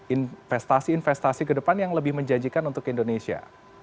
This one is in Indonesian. investasi investasi kedepan yang lebih menjanjikan untuk indonesia